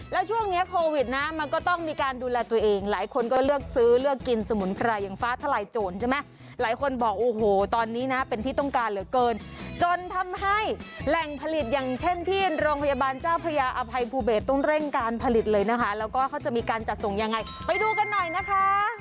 แล้วช่วงเนี้ยโควิดนะมันก็ต้องมีการดูแลตัวเองหลายคนก็เลือกซื้อเลือกกินสมุนไพรอย่างฟ้าทลายโจรใช่ไหมหลายคนบอกโอ้โหตอนนี้นะเป็นที่ต้องการเหลือเกินจนทำให้แหล่งผลิตอย่างเช่นที่โรงพยาบาลเจ้าพระยาอภัยภูเบสต้องเร่งการผลิตเลยนะคะแล้วก็เขาจะมีการจัดส่งยังไงไปดูกันหน่อยนะคะ